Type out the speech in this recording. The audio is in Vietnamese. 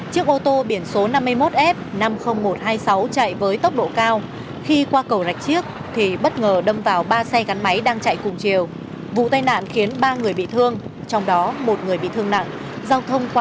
khi vừa qua ngã tư chỗ khoảng năm mươi m do trời tối mưa to anh vương đã đâm vào đống cát cao gần hai m chiếm gần hết làn đường đức thọ hà tĩnh